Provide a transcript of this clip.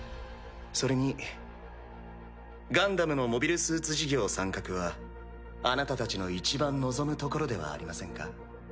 それにガンダムのモビルスーツ事業参画はあなたたちのいちばん望むところではありませんか？